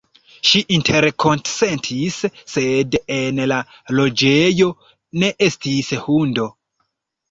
Ŝi interkonsentis, sed en la loĝejo ne estis hundo.